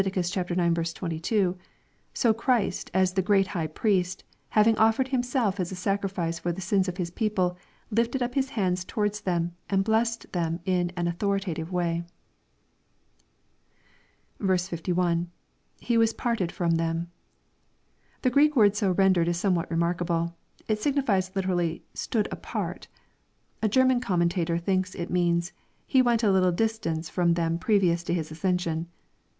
ix. 22,) so Christ as the great High Priest, having offered Himself as a sacrifice for the sins of His people, lifted up His hands towards them and blessed them in an authoritative way." 51 .— [Hie was parted from them.] The Greek word so rendered is somewhat remarkable. It signifies literally, "stood apart." A German commentator thinks it means, " He went a little distance from them previous to His ascension."